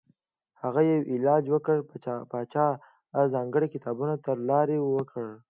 هغه یې علاج وکړ پاچا ځانګړي کتابتون ته لاره ورکړه.